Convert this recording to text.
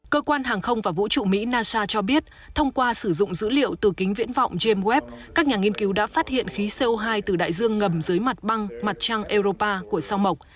cơ quan hàng không và vũ trụ mỹ nasa cho biết thông qua sử dụng dữ liệu từ kính viễn vọng james web các nhà nghiên cứu đã phát hiện khí co hai từ đại dương ngầm dưới mặt băng mặt trăng europa của sao mộc